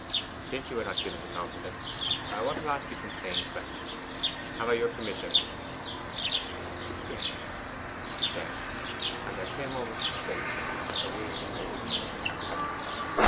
'Since you are not given to confidence, I want to ask you some plain questions. Have I your permission?' 'Yes,' she said, and there came over her face a weary resignation.